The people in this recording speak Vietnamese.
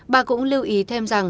bà cũng lưu ý thêm rằng